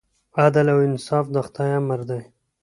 عدل او انصاف د خدای امر دی.